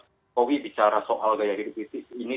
jokowi bicara soal gaya hidup kritis ini